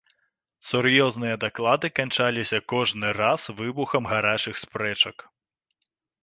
Сур'ёзныя даклады канчаліся кожны раз выбухам гарачых спрэчак.